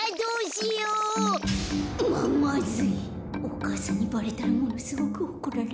お母さんにバレたらものすごくおこられる。